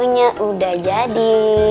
ha cucunya udah jadi